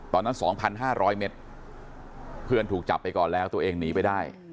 ตอนนั้น๒๕๐๐เมตรเพื่อนถูกจับไปก่อนแล้วตัวเองหนีไปได้